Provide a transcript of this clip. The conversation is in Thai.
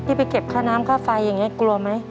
ไปเก็บค่าน้ำค่าไฟอย่างนี้กลัวไหม